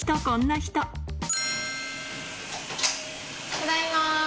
ただいま。